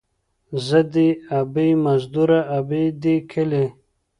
ـ زه دې ابۍ مزدوره ، ابۍ دې کلي.